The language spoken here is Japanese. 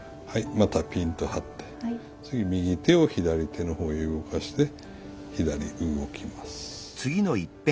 またピンと張って右手を左の方へ動かして左に動きます。